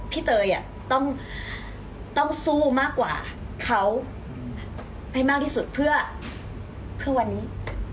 เตยต้องสู้มากกว่าเขาให้มากที่สุดเพื่อวันนี้